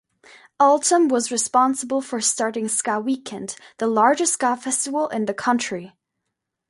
Altom was responsible for starting Ska Weekend, the largest ska festival in the country.